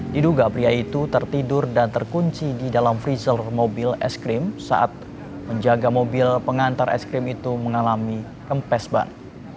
diduga pria itu tertidur dan terkunci di dalam freezer mobil es krim saat menjaga mobil pengantar es krim itu mengalami rempes ban